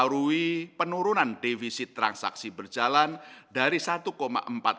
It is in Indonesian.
pembangunan ekonomi global yang memperlukan penerbangan kinerja dan keperluan diskusi